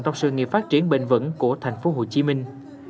trong sự nghiệp phát triển bền vững của thành phố hồ chí minh